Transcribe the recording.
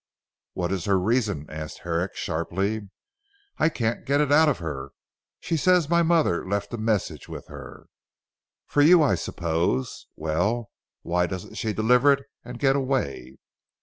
"What is her reason?" asked Herrick sharply. "I can't get it out of her. She says my mother left a message with her." "For you, I suppose? Well why doesn't she deliver it and get away."